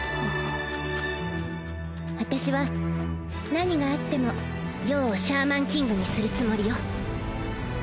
私は何があっても葉をシャーマンキングにするつもりよ。